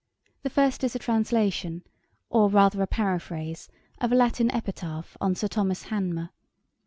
The first is a translation, or rather a paraphrase, of a Latin Epitaph on Sir Thomas Hanmer.